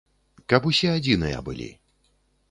Каб усе адзіныя былі.